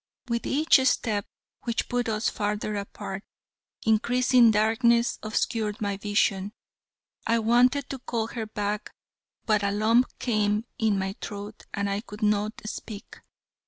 With each step which put us farther apart, increasing darkness obscured my vision. I wanted to call her back but a lump came in my throat and I could not speak.